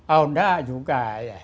oh enggak juga